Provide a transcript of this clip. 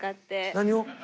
何を？